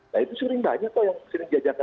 nah itu sering banyak kok yang sering diajarkan